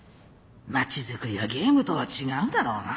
「街づくりはゲームとは違うだろうな」。